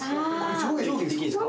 上下できるんですか？